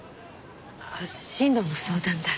あっ進路の相談だ？